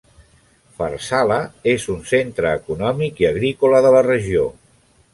Farsala és un centre econòmic i agrícola de la regió.